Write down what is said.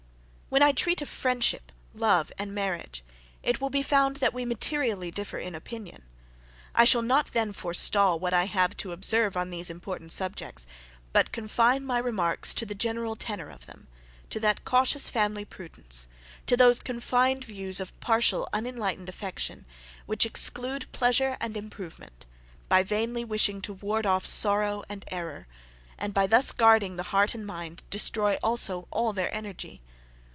When I treat of friendship, love, and marriage, it will be found that we materially differ in opinion; I shall not then forestall what I have to observe on these important subjects; but confine my remarks to the general tenor of them, to that cautious family prudence, to those confined views of partial unenlightened affection, which exclude pleasure and improvement, by vainly wishing to ward off sorrow and error and by thus guarding the heart and mind, destroy also all their energy.